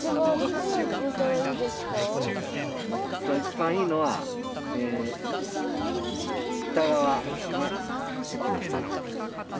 一番いいのは北側の木の下なんですね。